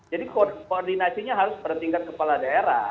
jadi koordinasinya harus bertingkat kepala daerah